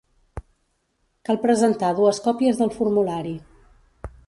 Cal presentar dues còpies del formulari.